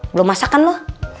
belum masakan lo